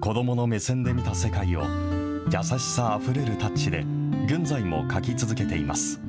子どもの目線で見た世界を、優しさあふれるタッチで、現在も描き続けています。